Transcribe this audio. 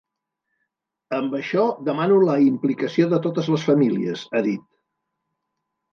Amb això demano la implicació de totes les famílies, ha dit.